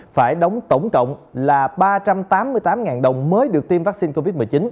phải đóng tổng cộng là ba trăm tám mươi tám đồng mới được tiêm vaccine covid một mươi chín